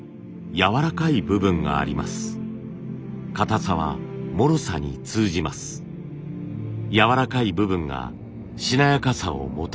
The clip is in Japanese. やわらかい部分がしなやかさをもたらします。